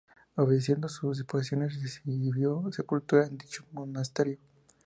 Obedeciendo sus disposiciones, recibió sepultura en dicho monasterio.